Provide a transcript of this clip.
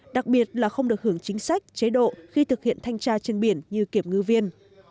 đặc biệt là không được hưởng chính sách chế độ khi thực hiện thanh tra trên biển như kiểm ngư viên